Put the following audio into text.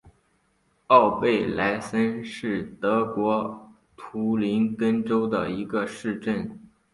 奥贝赖森是德国图林根州的一个市镇。